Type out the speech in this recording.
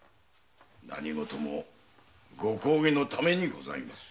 何事もご公儀のためにございます。